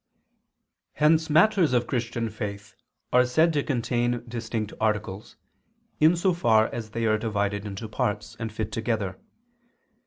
Hence matters of Christian faith are said to contain distinct articles, in so far as they are divided into parts, and fit together.